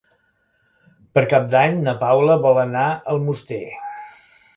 Per Cap d'Any na Paula vol anar a Almoster.